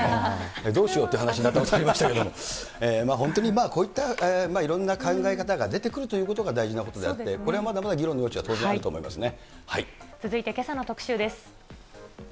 どうしようっていう話になったことがありましたけれども、本当にこういったいろんな考え方が出てくるということが大事なことであって、これはまだまだ議論の余地は当然あると思いますね。